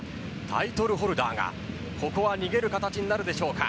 タイトルホルダーがここは逃げる形になるでしょうか。